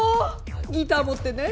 ギター持ってね。